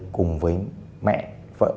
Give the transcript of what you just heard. cùng với mẹ vợ